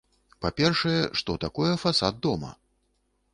Па-першае, што такое фасад дома?